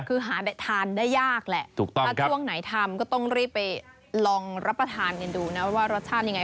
คือหาทานได้ยากแหละถ้าช่วงไหนทำก็ต้องรีบไปลองรับประทานกันดูนะว่ารสชาติยังไง